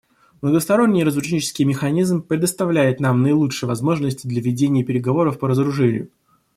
Многосторонний разоруженческий механизм предоставляет нам наилучшие возможности для ведения переговоров по разоружению.